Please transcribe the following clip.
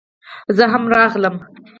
زه هم راغلم